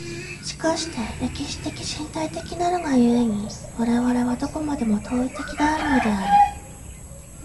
しかして歴史的身体的なるが故に、我々はどこまでも当為的であるのである。